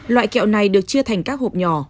loại kẹo này được chia thành các hộp nhỏ